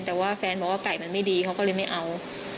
แต่ว่าแฟนบอกว่าไก่มันไม่ดีเขาก็เลยไม่เอา